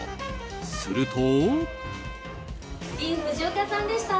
すると。